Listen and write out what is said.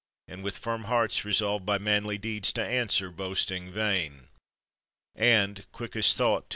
and with firm hearta resolved By manly deeds to answer boasting vain And, quick as thought, to hi.